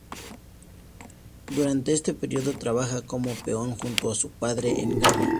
Durante este periodo trabaja como peón junto a su padre en Gavá.